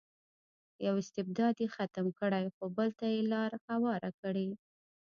یو استبداد یې ختم کړی خو بل ته یې لار هواره کړې.